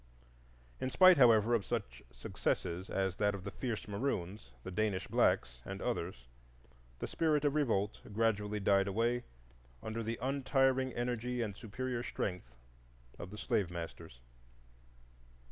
In spite, however, of such success as that of the fierce Maroons, the Danish blacks, and others, the spirit of revolt gradually died away under the untiring energy and superior strength of the slave masters.